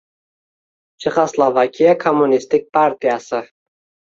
Chexoslovakiya Kommunistik partiyasi